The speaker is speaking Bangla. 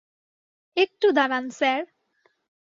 একটু দাঁড়ান, স্যার!